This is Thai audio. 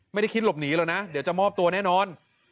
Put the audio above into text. ไม่ได้คิดหลบหนีหรอกนะเดี๋ยวจะมอบตัวแน่นอน